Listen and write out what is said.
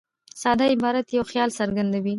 ساده عبارت یو خیال څرګندوي.